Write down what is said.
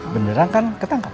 beneran kan ketangkap